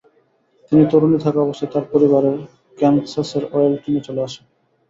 তিনি তরুণী থাকা অবস্থায়, তার পরিবার ক্যানসাসের ওয়েলিংটনে চলে আসে।